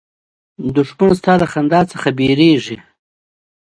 دښمن ستا له خندا ډارېږي